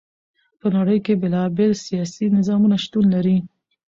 په نړی کی بیلا بیل سیاسی نظامونه شتون لری.